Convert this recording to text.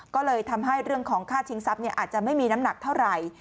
ก็เลยทำให้เรื่องของค่าชิงทรัพย์อาจจะไม่มีน้ำหนักเท่าไหร่